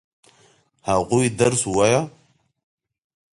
هغوی درس ووايه؟